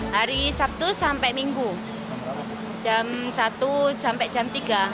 hari sabtu sampai minggu jam satu sampai jam tiga